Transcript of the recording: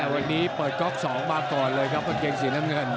วันนี้เปิดก๊อก๒มาก่อนเลยครับกางเกงสีน้ำเงิน